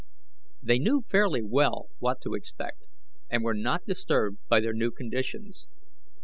They knew fairly well what to expect, and were not disturbed by their new conditions.